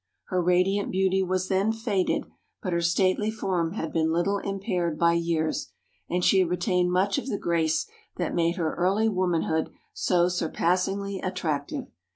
Her radiant beauty was then faded, but her stately form had been little impaired by years, and she had retained much of the grace that made her early womanhood so surpassingly attractive.